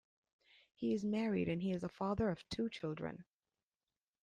He is married and is a father of two children.